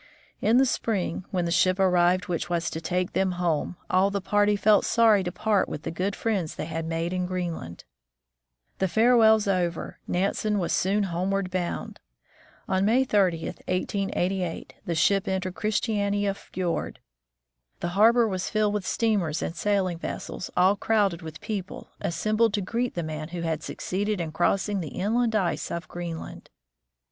In the spring, when the ship arrived which was to take them home, all the party felt sorry to part with the good friends they had made in Greenland. The farewells over, Nansen was soon homeward bound. On May 30, 1888, the ship entered Christiania fiord. The harbor was filled NANSEN CROSSES GREENLAND 121 with steamers and sailing vessels, all crowded with people, assembled to greet the man who had succeeded in crossing the inland ice of Greenland.